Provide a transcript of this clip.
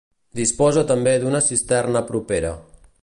Disposa també d'una cisterna propera.